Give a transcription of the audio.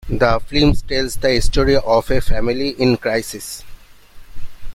The film tells the story of a family in crisis.